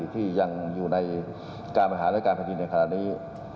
ที่ยังอยู่ในการประหารและการปฏิในขณะนี้